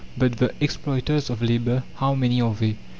But the exploiters of labour, how many are they?